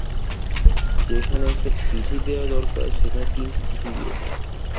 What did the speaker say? যেখানে একটা চিঠি দেয়া দরকার, সেখানে তিনটি চিঠি দিয়েছেন।